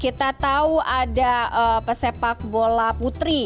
kita tahu ada pesepak bola putri